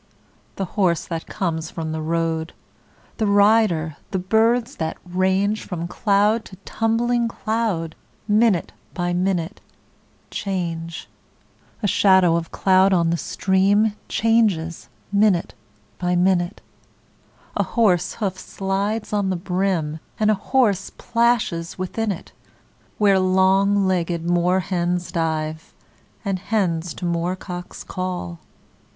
The horse that comes from the road. The rider, the birds that range From cloud to tumbling cloud, Minute by minute change; A shadow of cloud on the stream Changes minute by minute; A horse hoof slides on the brim, And a horse plashes within it Where long legged moor hens dive, And hens to moor cocks call.